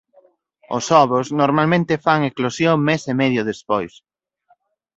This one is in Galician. Os ovos normalmente fan eclosión mes e medio despois.